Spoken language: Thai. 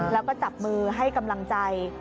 แล้วก็จับมือให้กำลังใจ